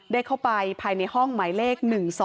ได้เข้าไปภายในห้องหมายเลข๑๒